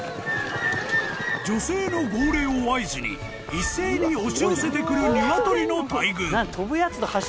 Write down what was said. ［女性の号令を合図に一斉に押し寄せてくるニワトリの大群］